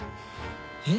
えっ？